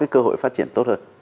cơ hội phát triển tốt hơn